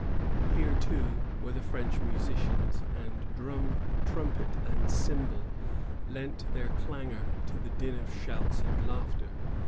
Here too were the French musicians, and drum, trumpet, and cymbal lent their clangor to the din of shouts and laughter.